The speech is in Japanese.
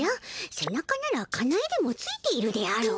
せ中ならかなえでもついているであろう。